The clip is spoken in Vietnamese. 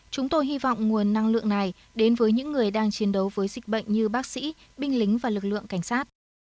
chúng tôi hy vọng nguồn năng lượng này đến với những người đang chiến đấu với dịch bệnh như bác sĩ binh lính và lực lượng cảnh sát